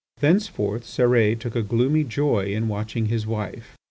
Thenceforth Cérès took a gloomy joy in watching his wife.